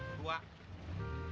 makanya lu ah tua